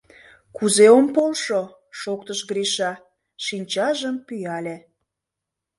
— Кузе ом полшо, — шоктыш Гриша, шинчажым пӱяле.